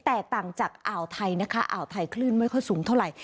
แตกต่างจากอ่าวไทยนะคะอ่าวไทยคลื่นไม่ค่อยสูงเท่าไหร่